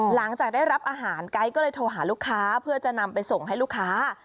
หลังจากได้รับอาหารไก๊ก็เลยโทรหาลูกค้าเพื่อจะนำไปส่งให้ลูกค้า